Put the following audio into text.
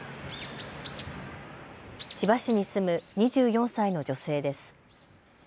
千葉市に住む２４歳の女性です。